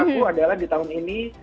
yang pertama di tahun ini